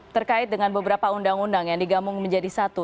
terkait dengan beberapa undang undang yang digabung menjadi satu